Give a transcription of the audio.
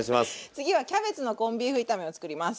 次はキャベツのコンビーフ炒めを作ります。